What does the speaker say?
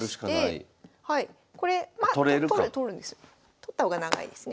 取った方が長いですね。